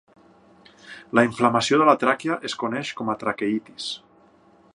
La inflamació de la tràquea es coneix com a traqueïtis.